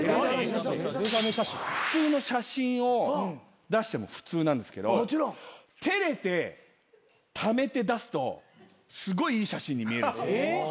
普通の写真を出しても普通なんですけど照れて溜めて出すとすごいいい写真に見えるんですよ。